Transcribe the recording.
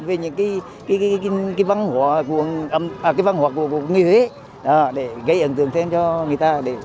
về những văn hóa của người huế để gây ấn tượng thêm cho người ta